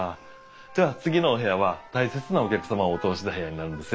では次のお部屋は大切なお客様をお通しした部屋になるんですよ。